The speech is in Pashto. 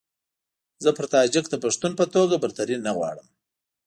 زه پر تاجک د پښتون په توګه برتري نه غواړم.